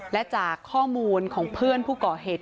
และจากข้อมูลของเพื่อนผู้ก่อเหตุ